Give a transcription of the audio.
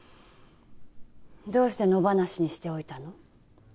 どうして野放しにしておいたの？